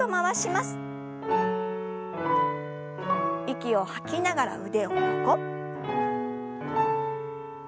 息を吐きながら腕を横。